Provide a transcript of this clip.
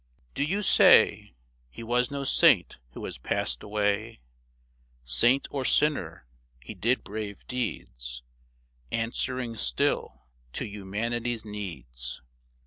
Do you say He was no saint who has passed away ? Saint or sinner, he did brave deeds Answering still to humanity's needs